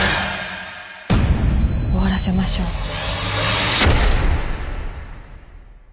終わらせましょう。